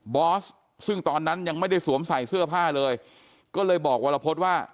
อสซึ่งตอนนั้นยังไม่ได้สวมใส่เสื้อผ้าเลยก็เลยบอกวรพฤษว่า